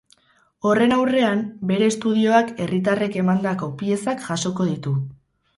Horren aurrean, bere estudioak herritarrek emandako piezak jasoko ditu.